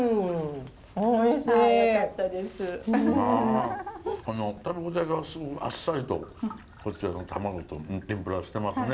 あこの食べ応えがすごいあっさりとこちらの卵と天ぷらしてますね。